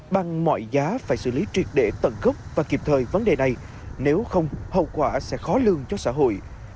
bằng mọi giá phải xử lý triệt để tận gốc và kịp thời vấn đề này nếu không hậu quả sẽ khó lương cho xã hội